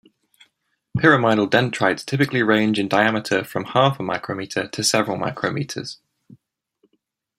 Pyramidal dendrites typically range in diameter from half a micrometer to several micrometers.